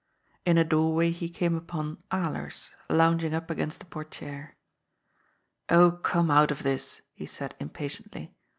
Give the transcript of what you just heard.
Ik a doorway he came upon Alers, lounging up against a " portiere.'* " Oh, come out of this," he said impatiently.